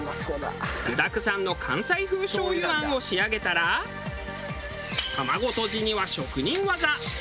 具だくさんの関西風醤油餡を仕上げたら卵とじには職人技。